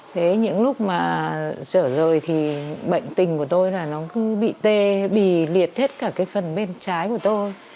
thế những lúc mà trở rồi thì bệnh tình của tôi là nó cứ bị tê bì liệt hết cả cái phần bên trái của tôi